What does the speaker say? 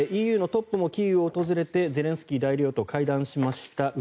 ＥＵのトップもキーウを訪れてゼレンスキー大統領と会談しました。